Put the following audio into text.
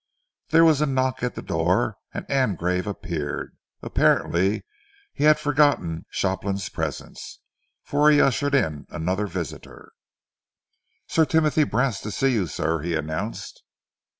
There was a knock at the door and Angrave appeared. Apparently he had forgotten Shopland's presence, for he ushered in another visitor. "Sir Timothy Brast to see you, sir," he announced.